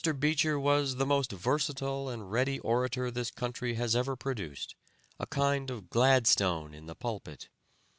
Beecher was the most versatile and ready orator this country has ever produced, a kind of Gladstone in the pulpit.